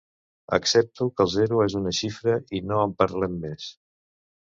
Accepto que el zero és una xifra i no en parlem més.